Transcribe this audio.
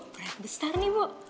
brand besar nih bu